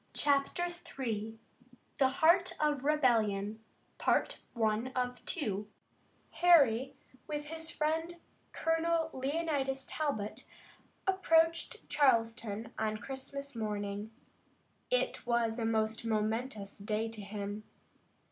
CHAPTER III THE HEART OF REBELLION Harry, with his friend Colonel Leonidas Talbot, approached Charleston on Christmas morning. It was a most momentous day to him.